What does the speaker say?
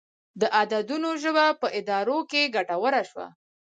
د عددونو ژبه په ادارو کې ګټوره شوه.